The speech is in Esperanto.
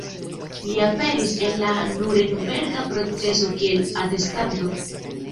Li aperis en la Nurenberga proceso kiel atestanto.